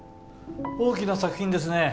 大きな作品ですね